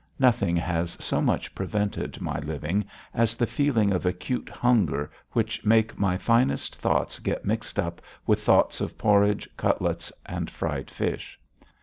Nothing has so much prevented my living as the feeling of acute hunger, which make my finest thoughts get mixed up with thoughts of porridge, cutlets, and fried fish.